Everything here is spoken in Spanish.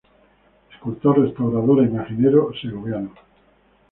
Escultor, restaurador e imaginero segoviano.